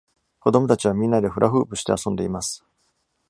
子供たちはみんなでフラフープして遊んでいます。